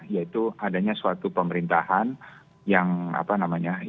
yaitu adanya suatu pemerintahan yang apa namanya